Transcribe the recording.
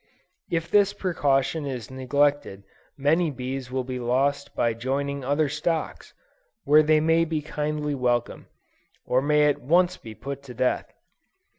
If this precaution is neglected many bees will be lost by joining other stocks, where they may be kindly welcomed, or may at once be put to death.